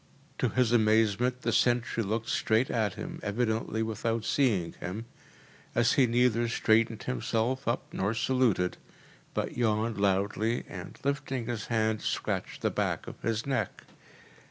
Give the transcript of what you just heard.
To his amazement the sentry looked straight at him, evidently without seeing him, as he neither straightened himself up nor saluted, but yawned loudly and, lifting his hand, scratched the back of his neck.